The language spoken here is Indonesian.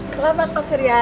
selamat pak sirya